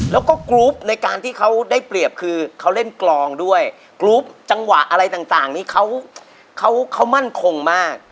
แล้วก็กรุ๊ปในการที่เขาได้เปรียบคือเขาเล่นกรองด้วยกรุ๊ปจังหวะอะไรต่างนี่เขามั่นคงมาก